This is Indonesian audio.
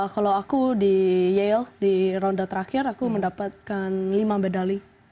kalau aku di yaild di ronde terakhir aku mendapatkan lima medali